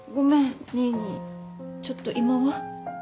ちょっと今は。